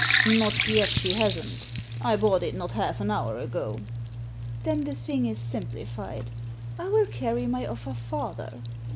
"Not yet she hasn't I bought it not half an hour ago." "Then the thing is simplified. I will carry my offer farther.